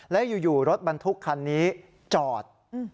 และอยู่รถบรรทุกคันนี้จอด